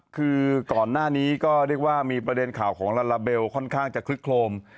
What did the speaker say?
คือก่อนหน้านี้ก็เรียกว่ามีประเด็นข่าวของลาลาเบลค่อนข้างจะคลึกโครม